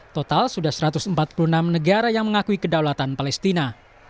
total sudah satu ratus empat puluh enam negara yang mengakui kedaulatan palestina